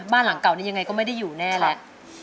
บ้านหลังเก่านี้ยังไงก็ไม่ได้อยู่แน่แล้ว